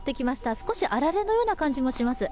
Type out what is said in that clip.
少しあられのような感じもします。